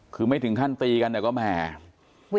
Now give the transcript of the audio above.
คือไม่ถึงขั้นตีกันเนี่ยก็แหม